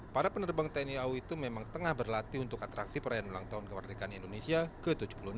para penerbang tni au itu memang tengah berlatih untuk atraksi perayaan ulang tahun kemerdekaan indonesia ke tujuh puluh enam